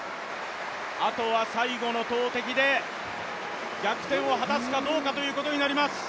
あとは最後の投てきで逆転を果たすかどうかということになります。